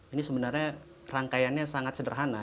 ini sebenarnya rangkaiannya sangat sederhana